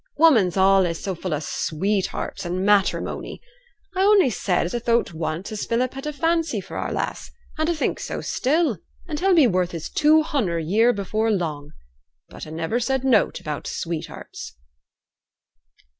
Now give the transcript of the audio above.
'Woman's allays so full o' sweethearts and matteremony. A only said as a'd thowt once as Philip had a fancy for our lass, and a think so still; and he'll be worth his two hunder a year afore long. But a niver said nought about sweethearts.'